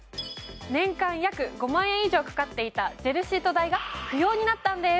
年間約５万円以上かかっていたジェルシート代が不要になったんです